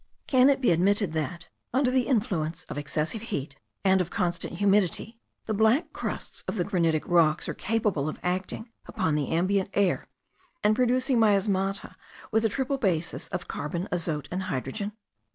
Can it be admitted that, under the influence of excessive heat and of constant humidity, the black crusts of the granitic rocks are capable of acting upon the ambient air, and producing miasmata with a triple basis of carbon, azote, and hydrogen?